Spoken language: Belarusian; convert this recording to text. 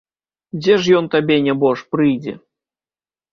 Дзе ж ён табе, нябож, прыйдзе!